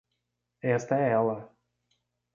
Esta é ela.